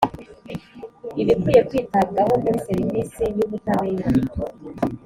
ibikwiye kwitabwaho muri serivisi y ubutabera